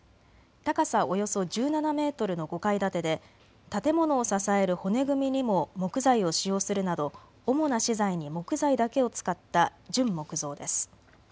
高さおよそ１７メートルの５階建てで建物を支える骨組みにも木材を使用するなど主な資材に木材だけを使った純木造です。